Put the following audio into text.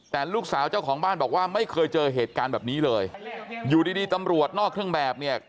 แต่ลูกสาวเจ้าของบ้านบอกว่าไม่เคยเจอเหตุการณ์แบบนี้เลยอยู่ดีดีตำรวจนอกเครื่องแบบเนี่ย